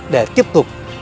để tiếp tục